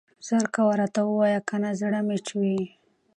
زر کوه راته ووايه کنه زړه مې چوي.